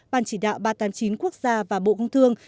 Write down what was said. ban chỉ đạo ba trăm tám mươi chín quốc gia và bộ công thương